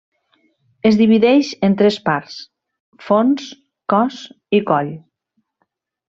Es divideix en tres parts: fons, cos i coll.